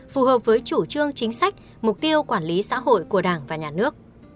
phù hợp với chủ trương chính sách mục tiêu quản lý xã hội của đảng và nhà nước